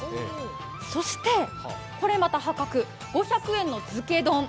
そしてこれまた破格、５００円のづけ丼。